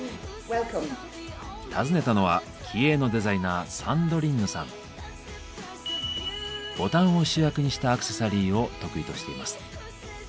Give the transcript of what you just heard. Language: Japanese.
訪ねたのは気鋭のデザイナーボタンを主役にしたアクセサリーを得意としています。